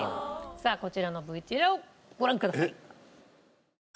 さあこちらのＶＴＲをご覧ください。